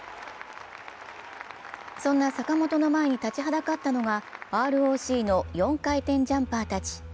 そんな坂本の前に立ちはだかったのがＲＯＣの４回転ジャンパーたち。